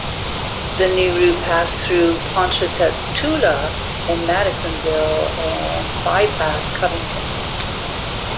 The new route passed through Ponchatoula and Madisonville and bypassed Covington.